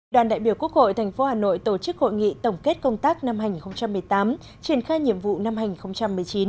đoàn đại biểu quốc hội tp hà nội tổ chức hội nghị tổng kết công tác năm hai nghìn một mươi tám triển khai nhiệm vụ năm hai nghìn một mươi chín